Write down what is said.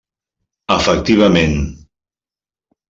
Efectivament.